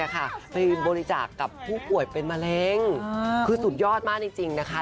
ไปบริจาคกับผู้ป่วยเป็นมะเร็งคือสุดยอดมากจริงนะคะ